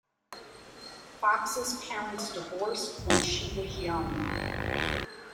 Fox's parents divorced when she was young.